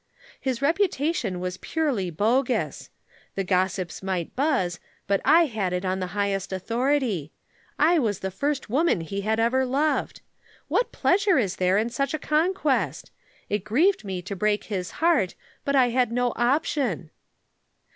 His reputation was purely bogus. The gossips might buzz, but I had it on the highest authority. I was the first woman he had ever loved. What pleasure is there in such a conquest? It grieved me to break his heart, but I had no option.